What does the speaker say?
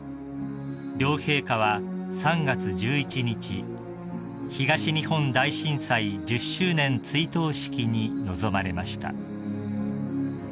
［両陛下は３月１１日東日本大震災十周年追悼式に臨まれました］